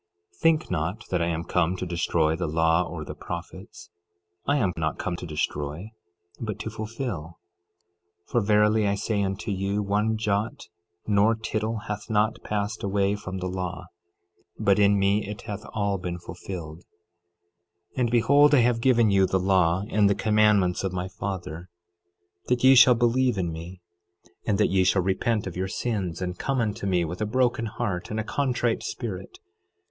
12:17 Think not that I am come to destroy the law or the prophets. I am not come to destroy but to fulfil; 12:18 For verily I say unto you, one jot nor tittle hath not passed away from the law, but in me it hath all been fulfilled. 12:19 And behold, I have given you the law and the commandments of my Father, that ye shall believe in me, and that ye shall repent of your sins, and come unto me with a broken heart and a contrite spirit.